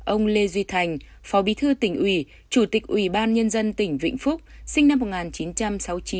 ông lê duy thành phó bí thư tỉnh ủy chủ tịch ủy ban nhân dân tỉnh vĩnh phúc sinh năm một nghìn chín trăm sáu mươi chín